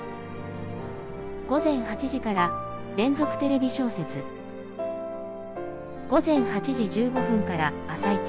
「午前８時から『連続テレビ小説』午前８時１５分から『あさイチ』」。